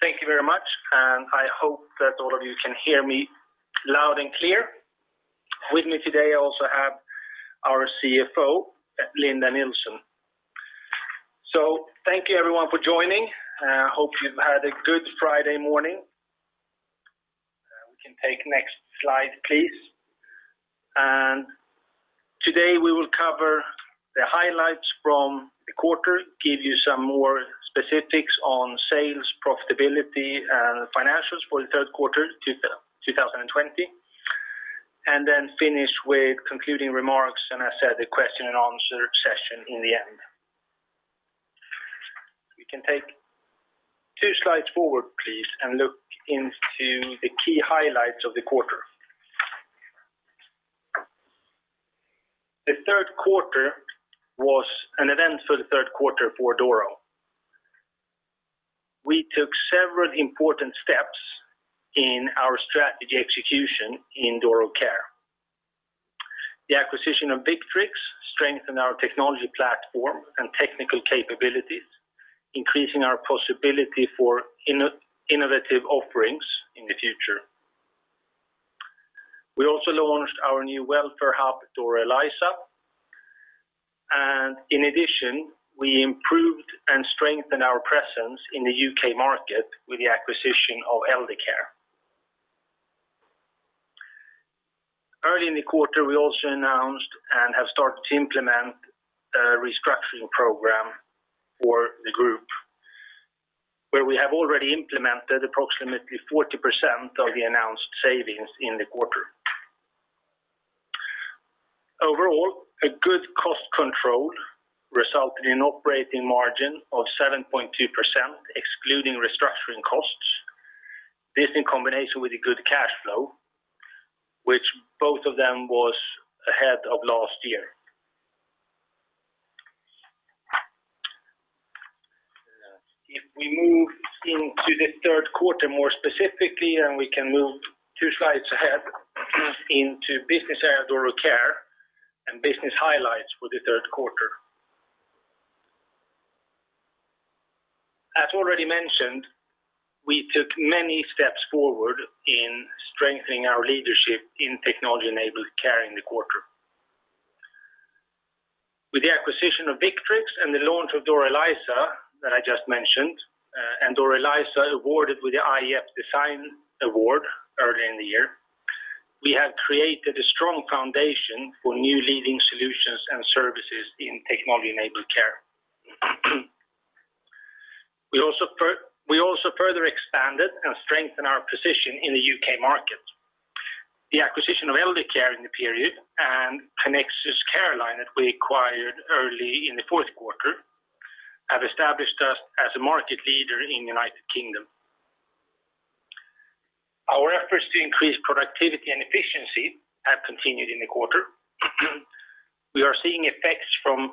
Thank you very much, and I hope that all of you can hear me loud and clear. With me today, I also have our CFO, Linda Nilsson. Thank you everyone for joining. I hope you've had a good Friday morning. We can take next slide, please. Today we will cover the highlights from the quarter, give you some more specifics on sales, profitability, and financials for the third quarter 2020, and then finish with concluding remarks and, as said, the question and answer session in the end. We can take two slides forward, please, and look into the key highlights of the quarter. The third quarter was an event for the third quarter for Doro. We took several important steps in our strategy execution in Doro Care. The acquisition of Victrix strengthened our technology platform and technical capabilities, increasing our possibility for innovative offerings in the future. We also launched our new welfare hub, Doro Eliza. In addition, we improved and strengthened our presence in the U.K. market with the acquisition of Eldercare. Early in the quarter, we also announced and have started to implement a restructuring program for the group, where we have already implemented approximately 40% of the announced savings in the quarter. Overall, a good cost control resulted in operating margin of 7.2%, excluding restructuring costs. This in combination with a good cash flow, which both of them was ahead of last year. If we move into the third quarter more specifically, we can move two slides ahead into business area Doro Care and business highlights for the third quarter. As already mentioned, we took many steps forward in strengthening our leadership in technology-enabled care in the quarter. With the acquisition of Victrix and the launch of Doro Eliza that I just mentioned, and Doro Eliza awarded with the iF DESIGN AWARD early in the year, we have created a strong foundation for new leading solutions and services in technology-enabled care. We also further expanded and strengthened our position in the U.K. market. The acquisition of Eldercare in the period and Connexus Careline that we acquired early in the fourth quarter have established us as a market leader in the United Kingdom. Our efforts to increase productivity and efficiency have continued in the quarter. We are seeing effects from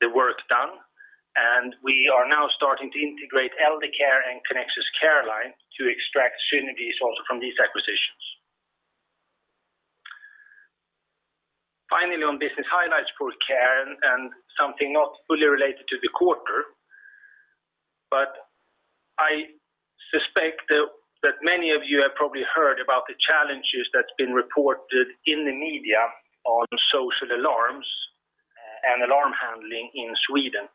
the work done, and we are now starting to integrate Eldercare and Connexus Careline to extract synergies also from these acquisitions. Finally, on business highlights for care and something not fully related to the quarter, but I suspect that many of you have probably heard about the challenges that's been reported in the media on social alarms and alarm handling in Sweden.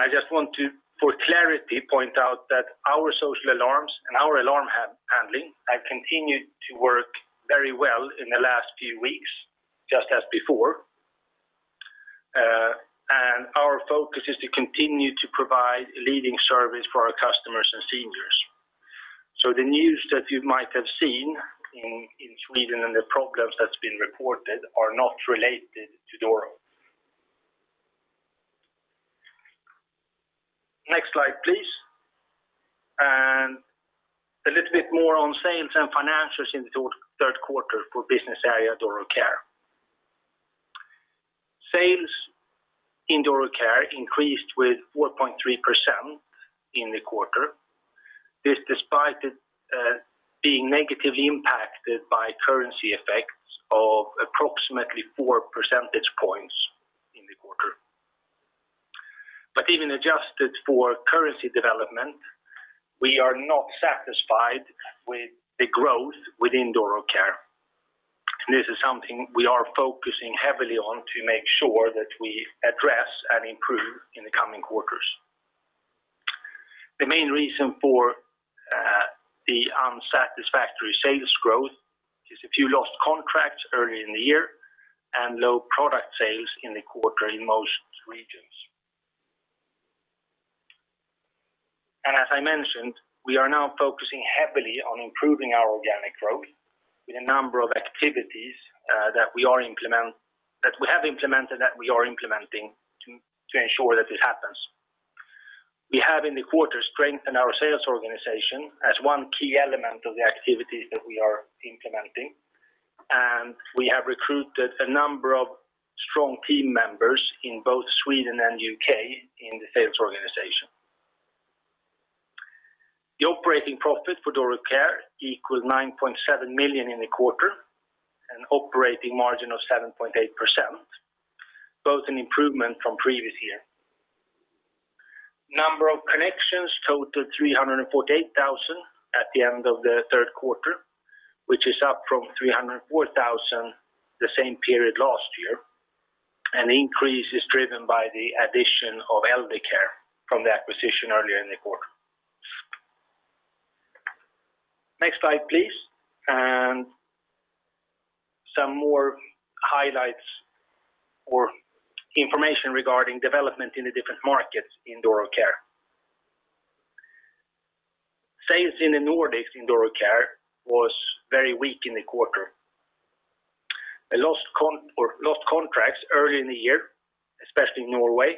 I just want to, for clarity, point out that our social alarms and our alarm handling have continued to work very well in the last few weeks, just as before. Our focus is to continue to provide a leading service for our customers and seniors. The news that you might have seen in Sweden and the problems that's been reported are not related to Doro. Next slide, please. A little bit more on sales and financials in the third quarter for business area Doro Care. Sales in Doro Care increased with 4.3% in the quarter. This despite it being negatively impacted by currency effects of approximately four percentage points in the quarter. Even adjusted for currency development, we are not satisfied with the growth within Doro Care. This is something we are focusing heavily on to make sure that we address and improve in the coming quarters. The main reason for the unsatisfactory sales growth is a few lost contracts early in the year and low product sales in the quarter in most regions. As I mentioned, we are now focusing heavily on improving our organic growth with a number of activities that we have implemented, that we are implementing to ensure that it happens. We have in the quarter strengthened our sales organization as one key element of the activities that we are implementing, and we have recruited a number of strong team members in both Sweden and U.K. in the sales organization. The operating profit for Doro Care equals 9.7 million in the quarter, an operating margin of 7.8%, both an improvement from previous year. Number of connections total 348,000 at the end of the third quarter, which is up from 304,000 the same period last year. An increase is driven by the addition of Eldercare from the acquisition earlier in the quarter. Next slide, please. Some more highlights or information regarding development in the different markets in Doro Care. Sales in the Nordics in Doro Care was very weak in the quarter. A lost contracts early in the year, especially in Norway,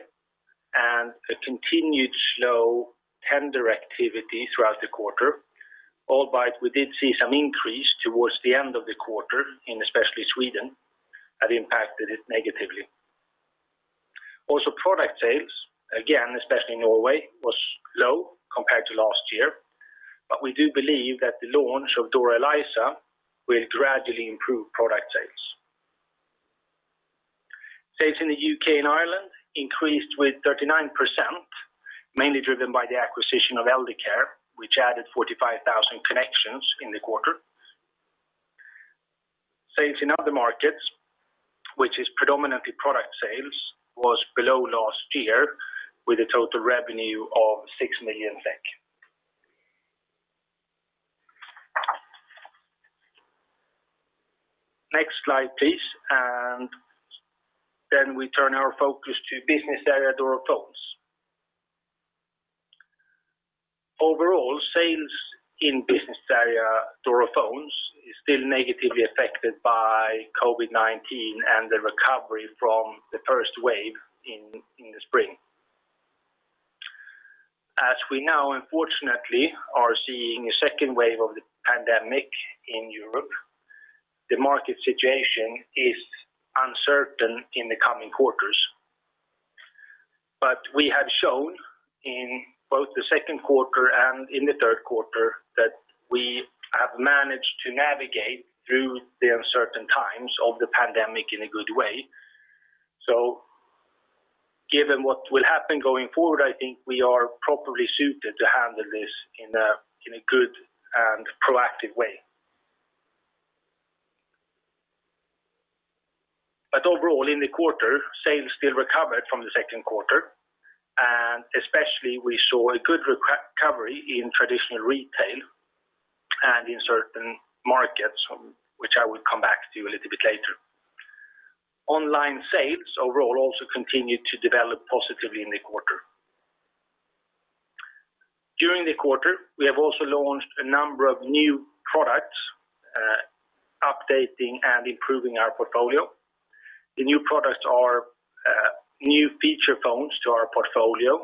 and a continued slow tender activity throughout the quarter. Albeit we did see some increase towards the end of the quarter in especially Sweden, have impacted it negatively. Product sales, again, especially in Norway, was low compared to last year. We do believe that the launch of Doro Eliza will gradually improve product sales. Sales in the U.K. and Ireland increased with 39%, mainly driven by the acquisition of Eldercare, which added 45,000 connections in the quarter. Sales in other markets, which is predominantly product sales, was below last year with a total revenue of 6 million SEK. Next slide, please. We turn our focus to business area Doro Phones. Overall, sales in business area Doro Phones is still negatively affected by COVID-19 and the recovery from the first wave in the spring. As we now unfortunately are seeing a second wave of the pandemic in Europe, the market situation is uncertain in the coming quarters. We have shown in both the second quarter and in the third quarter that we have managed to navigate through the uncertain times of the pandemic in a good way. Given what will happen going forward, I think we are properly suited to handle this in a good and proactive way. Overall in the quarter, sales still recovered from the second quarter, and especially we saw a good recovery in traditional retail and in certain markets, which I will come back to a little bit later. Online sales overall also continued to develop positively in the quarter. During the quarter, we have also launched a number of new products, updating and improving our portfolio. The new products are new feature phones to our portfolio,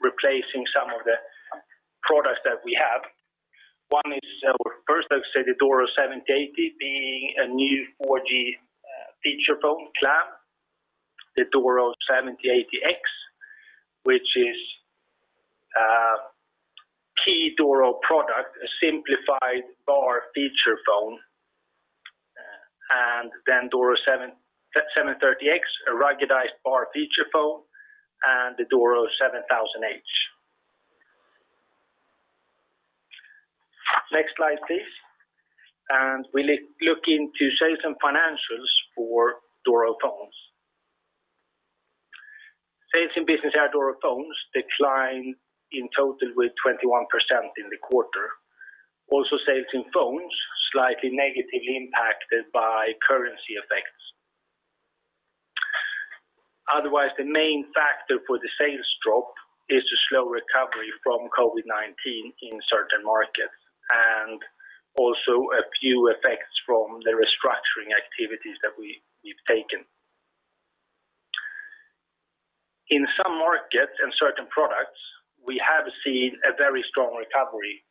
replacing some of the products that we have. One is our first, I would say, the Doro 7080, being a new 4G feature phone clam. The Doro 7080X, which is a key Doro product, a simplified bar feature phone. Doro 730X, a ruggedized bar feature phone, and the Doro 7000H. Next slide, please. We look into sales and financials for Doro Phones. Sales in business area Doro Phones declined in total with 21% in the quarter. Also sales in phones slightly negatively impacted by currency effects. Otherwise, the main factor for the sales drop is the slow recovery from COVID-19 in certain markets, and also a few effects from the restructuring activities that we've taken. In some markets and certain products, we have seen a very strong recovery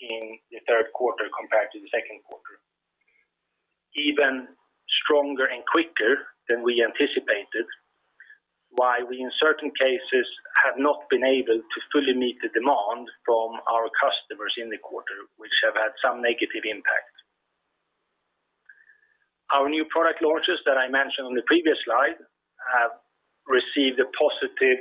in the third quarter compared to the second quarter. Even stronger and quicker than we anticipated, why we in certain cases have not been able to fully meet the demand from our customers in the quarter, which have had some negative impact. Our new product launches that I mentioned on the previous slide have received a positive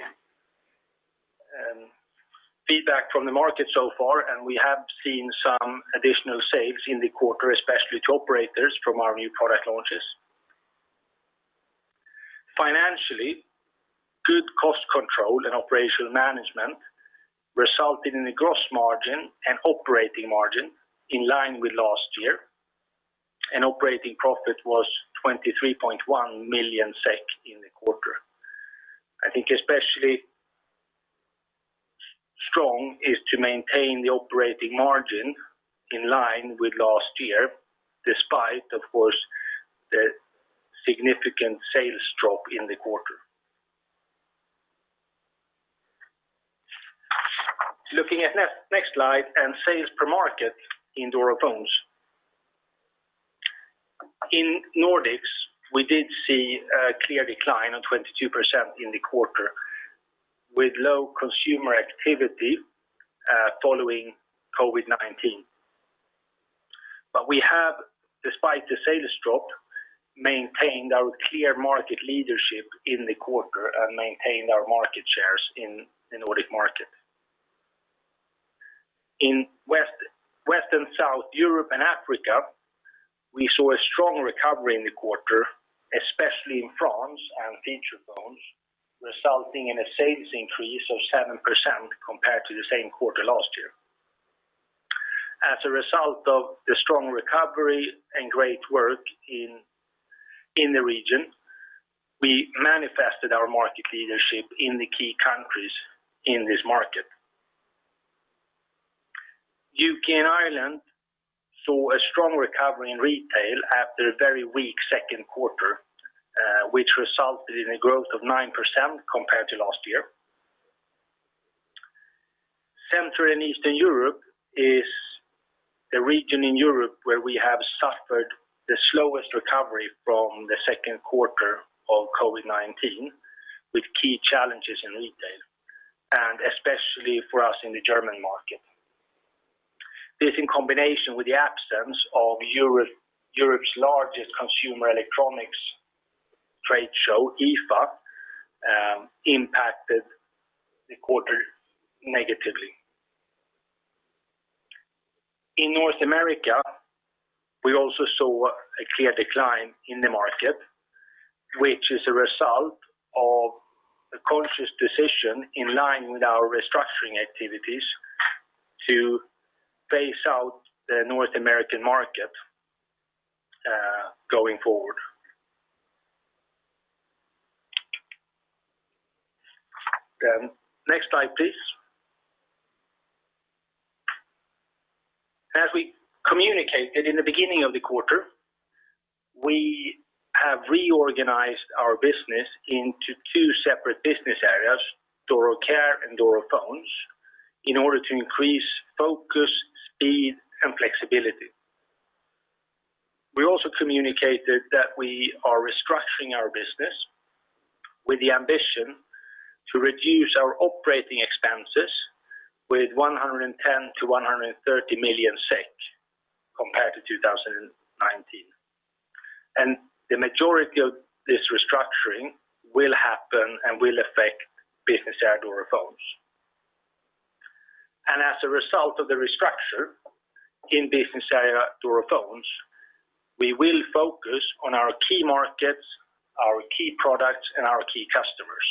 feedback from the market so far, and we have seen some additional sales in the quarter, especially to operators from our new product launches. Financially, good cost control and operational management resulted in a gross margin and operating margin in line with last year, and operating profit was 23.1 million SEK in the quarter. I think especially strong is to maintain the operating margin in line with last year, despite, of course, the significant sales drop in the quarter. Looking at next slide, sales per market in Doro Phones. In Nordics, we did see a clear decline of 22% in the quarter with low consumer activity following COVID-19. We have, despite the sales drop, maintained our clear market leadership in the quarter and maintained our market shares in the Nordic market. In West and South Europe and Africa, we saw a strong recovery in the quarter, especially in France and feature phones, resulting in a sales increase of 7% compared to the same quarter last year. As a result of the strong recovery and great work in the region, we manifested our market leadership in the key countries in this market. U.K. and Ireland saw a strong recovery in retail after a very weak second quarter, which resulted in a growth of 9% compared to last year. Central and Eastern Europe is a region in Europe where we have suffered the slowest recovery from the second quarter of COVID-19, with key challenges in retail, and especially for us in the German market. This, in combination with the absence of Europe's largest consumer electronics trade show, IFA, impacted the quarter negatively. In North America, we also saw a clear decline in the market, which is a result of a conscious decision in line with our restructuring activities to phase out the North American market going forward. Next slide, please. As we communicated in the beginning of the quarter, we have reorganized our business into two separate business areas, Doro Care and Doro Phones, in order to increase focus, speed, and flexibility. We also communicated that we are restructuring our business with the ambition to reduce our operating expenses with 110 million-130 million SEK compared to 2019. The majority of this restructuring will happen and will affect business area Doro Phones. As a result of the restructure in business area Doro Phones, we will focus on our key markets, our key products, and our key customers.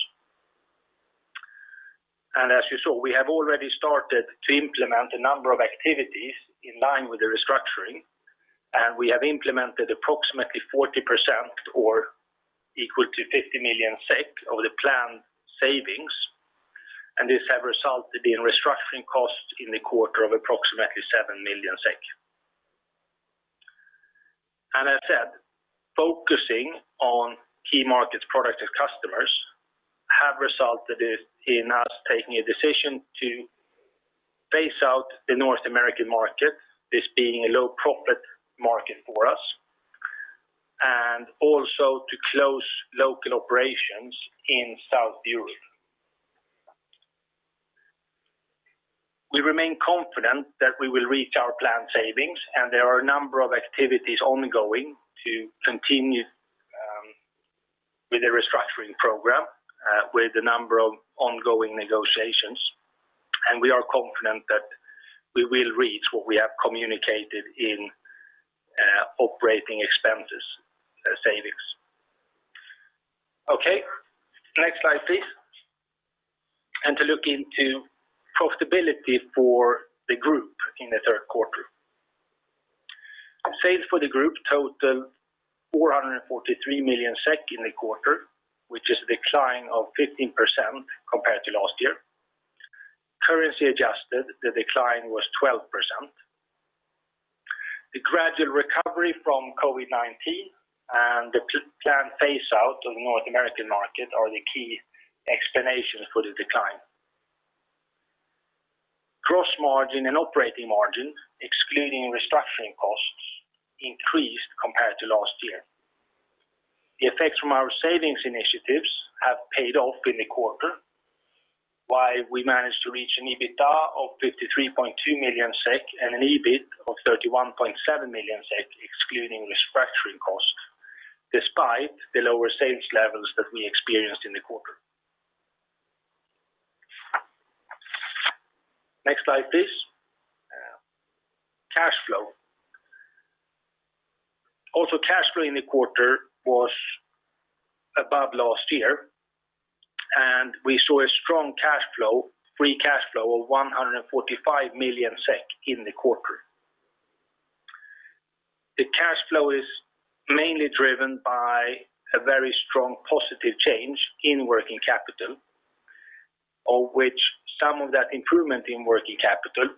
As you saw, we have already started to implement a number of activities in line with the restructuring, and we have implemented approximately 40% or equal to 50 million SEK of the planned savings, and this have resulted in restructuring costs in the quarter of approximately 7 million SEK. As said, focusing on key markets, products, and customers have resulted in us taking a decision to phase out the North American market, this being a low profit market for us, and also to close local operations in South Europe. We remain confident that we will reach our planned savings, there are a number of activities ongoing to continue with the restructuring program, with a number of ongoing negotiations, and we are confident that we will reach what we have communicated in operating expenses savings. Okay. Next slide, please. To look into profitability for the group in the third quarter. Sales for the group totaled 443 million SEK in the quarter, which is a decline of 15% compared to last year. Currency adjusted, the decline was 12%. The gradual recovery from COVID-19 and the planned phase out of the North American market are the key explanations for the decline. Gross margin and operating margin, excluding restructuring costs, increased compared to last year. The effects from our savings initiatives have paid off in the quarter while we managed to reach an EBITDA of 53.2 million SEK and an EBIT of 31.7 million SEK excluding restructuring costs, despite the lower sales levels that we experienced in the quarter. Next slide, please. Cash flow. Also cash flow in the quarter was above last year, and we saw a strong cash flow, free cash flow of 145 million SEK in the quarter. The cash flow is mainly driven by a very strong positive change in working capital, of which some of that improvement in working capital,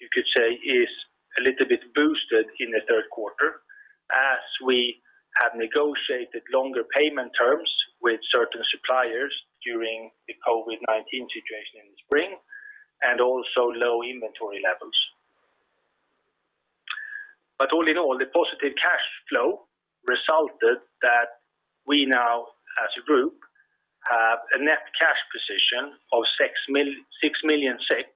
you could say, is a little bit boosted in the third quarter as we have negotiated longer payment terms with certain suppliers during the COVID-19 situation in the spring. Also low inventory levels. All in all, the positive cash flow resulted that we now, as a group, have a net cash position of 6 million SEK,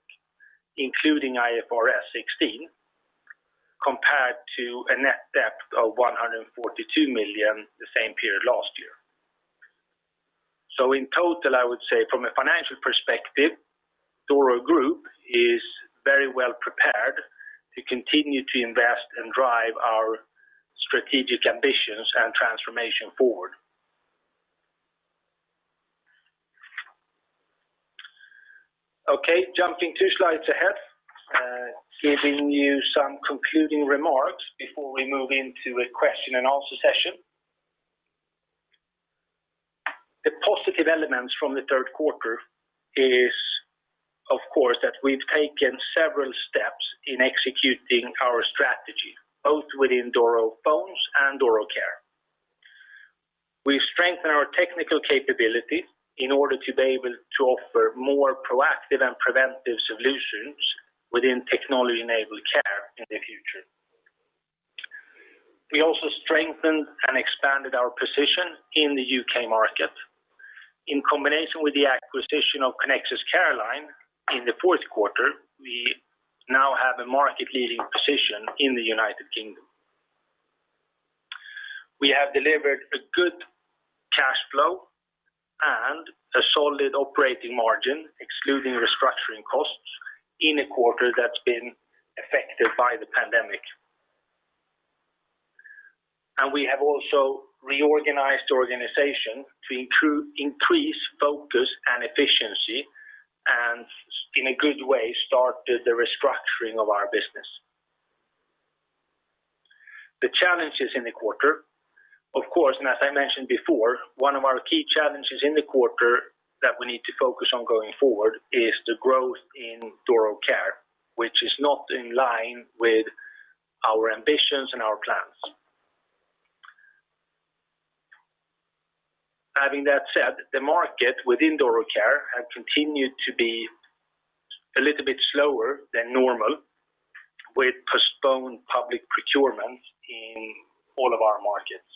including IFRS 16, compared to a net debt of 142 million the same period last year. In total, I would say from a financial perspective, Doro Group is very well prepared to continue to invest and drive our strategic ambitions and transformation forward. Jumping two slides ahead, giving you some concluding remarks before we move into a question and answer session. The positive elements from the third quarter is, of course, that we've taken several steps in executing our strategy, both within Doro Phones and Doro Care. We strengthen our technical capabilities in order to be able to offer more proactive and preventative solutions within technology-enabled care in the future. We also strengthened and expanded our position in the U.K. market. In combination with the acquisition of Connexus Careline in the fourth quarter, we now have a market leading position in the U.K. We have delivered a good cash flow, a solid operating margin, excluding restructuring costs, in a quarter that's been affected by the pandemic. We have also reorganized the organization to increase focus and efficiency, in a good way, started the restructuring of our business. The challenges in the quarter, of course, as I mentioned before, one of our key challenges in the quarter that we need to focus on going forward is the growth in Doro Care, which is not in line with our ambitions and our plans. Having that said, the market within Doro Care had continued to be a little bit slower than normal with postponed public procurements in all of our markets.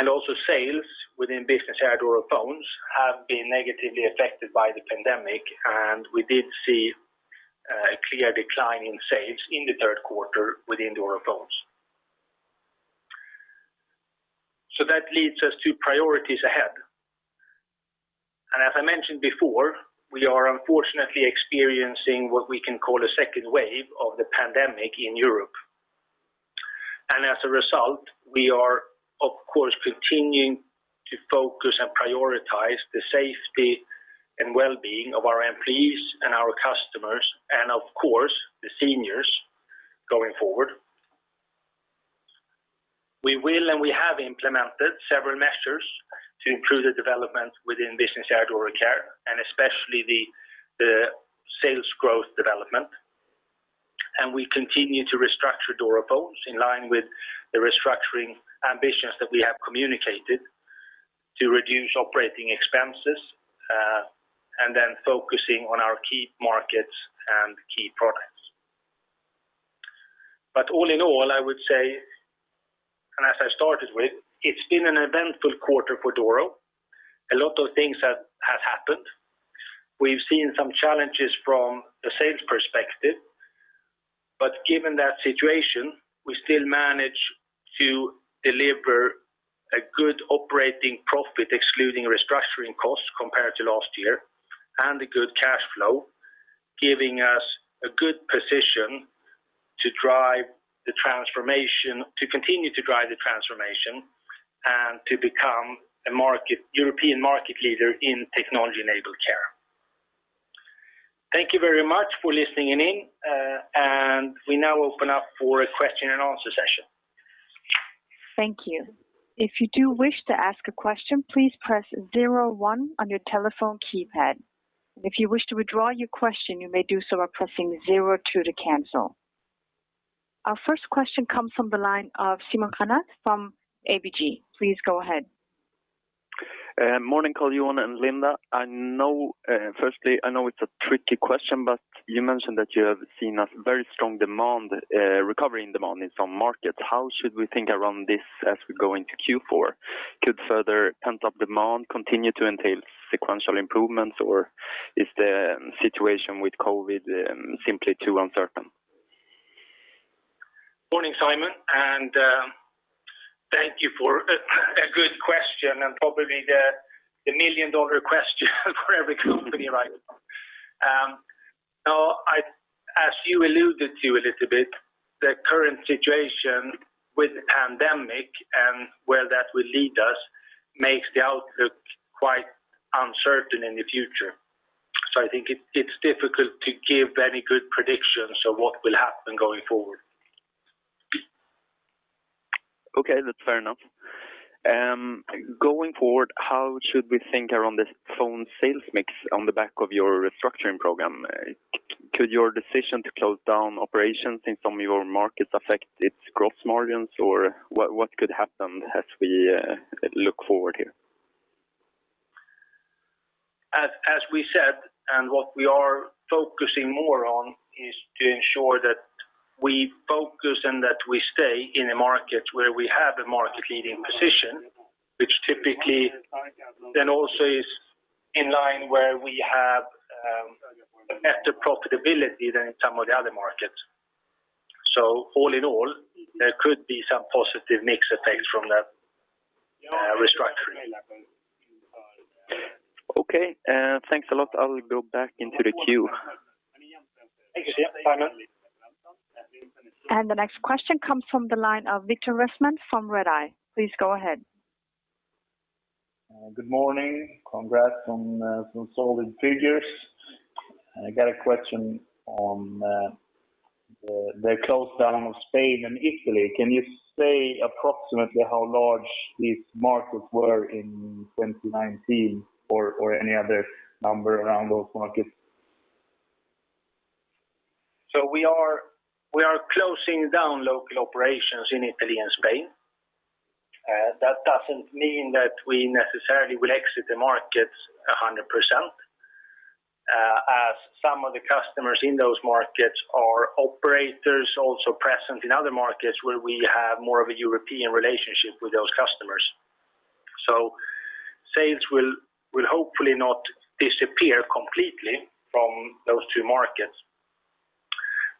Also sales within business area Doro Phones have been negatively affected by the pandemic, and we did see a clear decline in sales in the third quarter within Doro Phones. That leads us to priorities ahead. As I mentioned before, we are unfortunately experiencing what we can call a second wave of the pandemic in Europe. As a result, we are, of course, continuing to focus and prioritize the safety and wellbeing of our employees and our customers, and of course, the seniors going forward. We will and we have implemented several measures to improve the development within business area Doro Care, and especially the sales growth development. We continue to restructure Doro Phones in line with the restructuring ambitions that we have communicated to reduce operating expenses, and then focusing on our key markets and key products. All in all, I would say, and as I started with, it's been an eventful quarter for Doro. A lot of things have happened. We've seen some challenges from the sales perspective, given that situation, we still managed to deliver a good operating profit, excluding restructuring costs compared to last year, and a good cash flow, giving us a good position to continue to drive the transformation and to become a European market leader in technology-enabled care. Thank you very much for listening in, we now open up for a question and answer session. Thank you. If you do wish to ask a question, please press zero one on your telephone keypad. If you wish to withdraw your question, you may do so by pressing zero two to cancel. Our first question comes from the line of Simon Granath from ABG. Please go ahead. Morning, Carl-Johan and Linda. I know it's a tricky question, but you mentioned that you have seen a very strong recovering demand in some markets. How should we think around this as we go into Q4? Could further pent-up demand continue to entail sequential improvements, or is the situation with COVID simply too uncertain? Morning, Simon, and thank you for a good question, and probably the million-dollar question for every company right now. As you alluded to a little bit, the current situation with the pandemic and where that will lead us makes the outlook quite uncertain in the future. I think it's difficult to give any good predictions of what will happen going forward. Okay, that's fair enough. Going forward, how should we think around the phone sales mix on the back of your restructuring program? Could your decision to close down operations in some of your markets affect its gross margins? What could happen as we look forward here? As we said, what we are focusing more on, is to ensure that we focus and that we stay in a market where we have a market-leading position, which typically also is in line where we have a better profitability than in some of the other markets. All in all, there could be some positive mix effects from that restructuring. Okay. Thanks a lot. I will go back into the queue. Yeah. Bye now. The next question comes from the line of Viktor Westman from Redeye. Please go ahead. Good morning. Congrats on solid figures. I got a question on the close down of Spain and Italy. Can you say approximately how large these markets were in 2019 or any other number around those markets?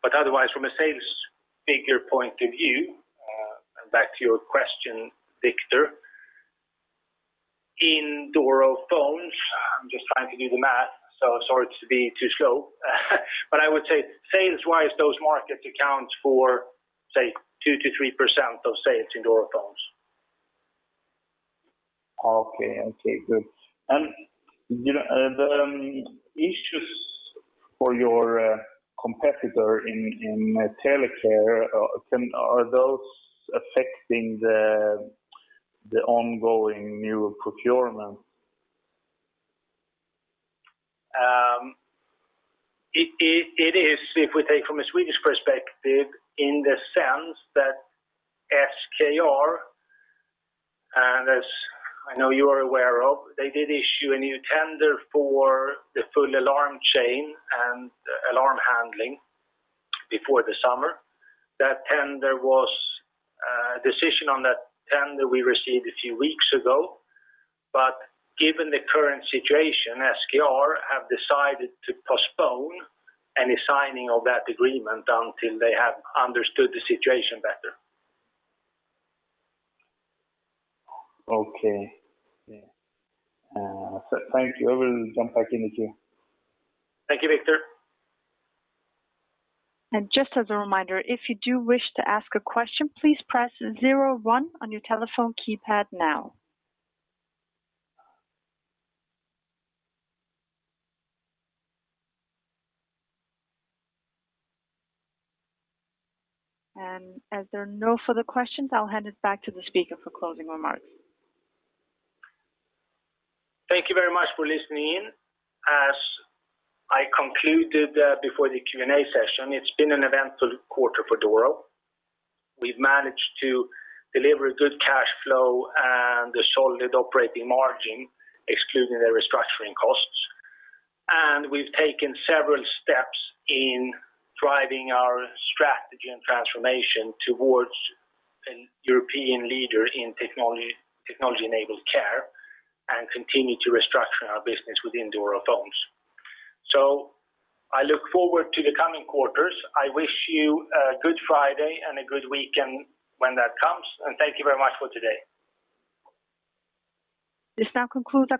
Okay. Good. The issues for your competitor in telecare, are those affecting the ongoing new procurement? It is, if we take from a Swedish perspective, in the sense that SKR, and as I know you are aware of, they did issue a new tender for the full alarm chain and alarm handling before the summer. The decision on that tender we received a few weeks ago. Given the current situation, SKR have decided to postpone any signing of that agreement until they have understood the situation better. Okay. Yeah. Thank you. I will jump back in the queue. Thank you, Viktor. As there are no further questions, I'll hand it back to the speaker for closing remarks. Thank you very much for listening in. As I concluded before the Q&A session, it's been an eventful quarter for Doro. We've managed to deliver a good cash flow and a solid operating margin, excluding the restructuring costs. We've taken several steps in driving our strategy and transformation towards a European leader in technology-enabled care and continue to restructure our business within Doro Phones. I look forward to the coming quarters. I wish you a good Friday and a good weekend when that comes, and thank you very much for today. This now concludes